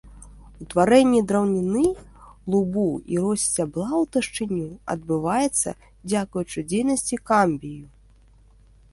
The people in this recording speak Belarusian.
Утварэнне драўніны, лубу і рост сцябла ў таўшчыню адбываецца дзякуючы дзейнасці камбію.